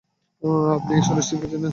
আপনি এই সরীসৃপকে চেনেন?